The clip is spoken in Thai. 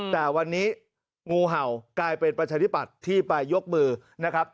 แต่วันนี้งูเห่ากลายเป็นประชาธิปัตย์ที่ไปยกมือนะครับ